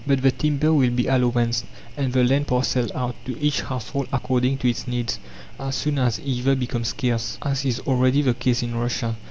But the timber will be allowanced, and the land parcelled out, to each household according to its needs, as soon as either becomes scarce, as is already the case in Russia.